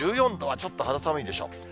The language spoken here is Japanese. １４度はちょっと肌寒いでしょう。